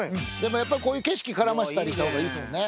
やっぱりこういう景色絡ましたりしたほうがいいですよね。